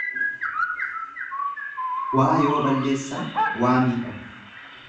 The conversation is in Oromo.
Waa yoo balleessan waa miidhamu.